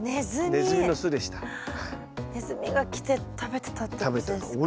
ネズミが来て食べてたってことですか？